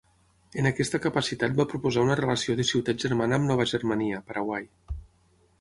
En aquesta capacitat va proposar una relació de ciutat germana amb Nova Germania, Paraguai.